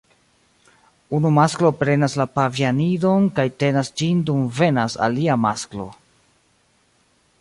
Unu masklo prenas la pavianidon kaj tenas ĝin dum venas alia masklo.